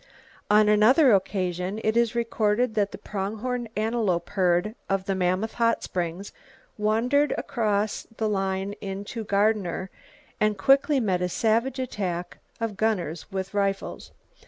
On another occasion, it is recorded that the prong horned antelope herd of the Mammoth Hot Springs wandered across the line into Gardiner, and quickly met a savage attack of gunners with rifles.